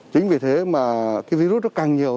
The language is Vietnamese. chính vì thế mà cái virus nó càng nhiều